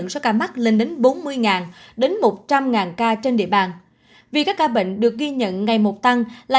số ca mắc lên đến bốn mươi đến một trăm linh ca trên địa bàn vì các ca bệnh được ghi nhận ngày một tăng là